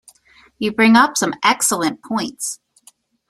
You bring up some excellent points.